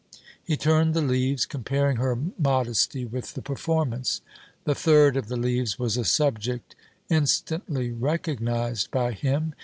He turned the leaves, comparing her modesty with the performance. The third of the leaves was a subject instantly recognized by him.